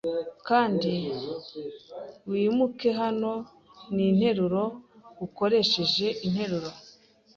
Kandi wimuke hano n'interuro ukoresheje interuro